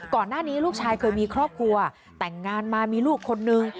ก่อนหน้านี้ลูกชายเคยมีครอบครัวแต่งงานมามีลูกคนนึง